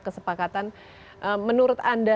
kesepakatan menurut anda